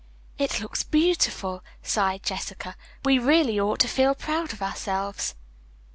"It looks beautiful," sighed Jessica, "we really ought to feel proud of ourselves."